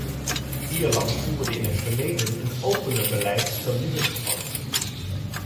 Ierland voerde in het verleden een opener beleid dan nu het geval is.